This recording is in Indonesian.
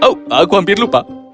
oh aku hampir lupa